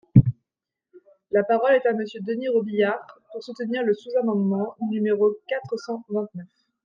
La parole est à Monsieur Denys Robiliard, pour soutenir le sous-amendement numéro quatre cent vingt-neuf.